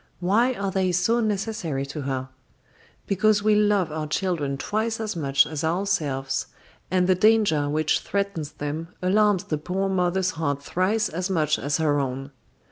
Why are they so necessary to her? Because we love our children twice as much as ourselves, and the danger which threatens them alarms the poor mother's heart thrice as much as her own.